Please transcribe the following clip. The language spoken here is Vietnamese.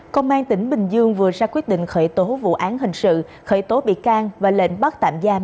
công an tỉnh bình dương vừa ra quyết định khởi tố vụ án hình sự khởi tố bị can và lệnh bắt tạm giam